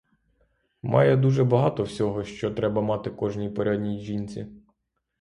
Має дуже багато всього, що треба мати кожній порядній жінці.